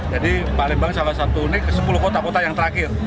jadi palembang salah satu ini ke sepuluh kota kota yang terakhir